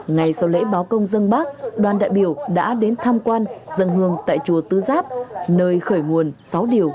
ngày sau lễ báo công dân bác đoàn đại biểu đã đến tham quan dân hương tại chùa tứ giáp nơi khởi nguồn sáu điều